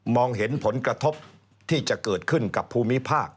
เห็นผลกระทบที่จะเกิดขึ้นกับภูมิภาค